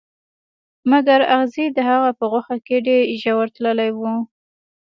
مګر اغزي د هغه په غوښه کې ډیر ژور تللي وو